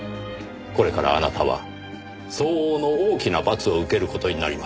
これからあなたは相応の大きな罰を受ける事になります。